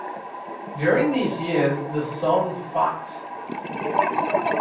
During these years, the Song Fight!